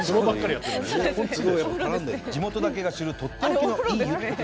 地元だけが知るとっておきのいい湯とは？